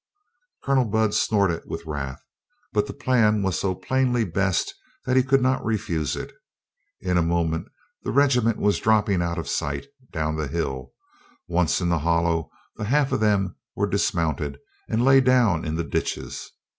Colonel Budd snorted with wrath. But the plan was so plainly best that he could not refuse it. In a moment the regiment was dropping out of sight down the hill. Once in the hollow the half of them were dismounted and lay down in the ditches.